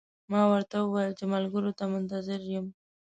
ما ورته وویل چې ملګرو ته منتظر یم.